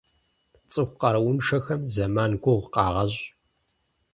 Цӏыху къарууншэхэм зэман гугъу къагъэщӏ.